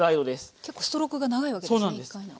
結構ストロークが長いわけですね